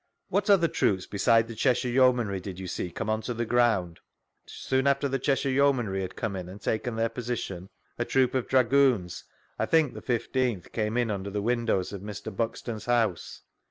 What other troops beside the Cheshire Yeomanry did you see come on to the ground ?— Soon after the Cheshire Yeomanry had come in and taken their position, a troop of Dragoons, I think the 15th, canoe in under the windows of Mr. Buxton's house.